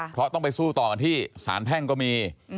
เพราะต้องไปสู้ต่อกันที่สารแพ่งก็มี